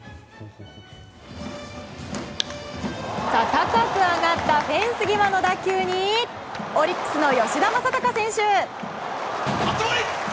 高く上がったフェンス際の打球にオリックスの吉田正尚選手。